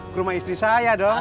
ke rumah istri saya dong